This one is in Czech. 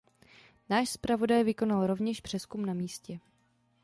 Náš zpravodaj vykonal rovněž přezkum na místě.